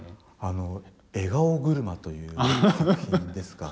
「笑顔車」という作品ですか？